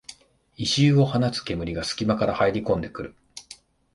異臭を放つ煙がすき間から入りこんでくる